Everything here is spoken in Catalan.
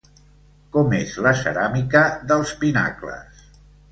Com és la ceràmica dels pinacles?